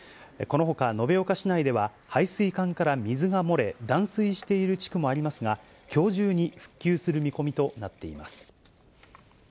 このほか、延岡市内では排水管から水が漏れ、断水している地区もありますが、きょう中に復旧する見込みとなっています。